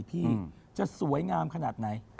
พี่จะสวยงามขนาดไหน